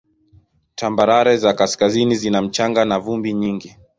Tambarare za kaskazini zina mchanga na vumbi nyingi.